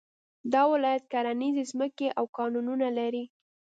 دا ولايت کرنيزې ځمکې او کانونه لري